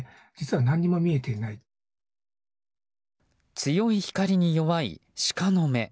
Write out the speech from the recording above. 強い光に弱い、シカの目。